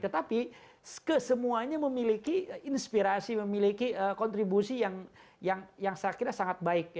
tetapi kesemuanya memiliki inspirasi memiliki kontribusi yang saya kira sangat baik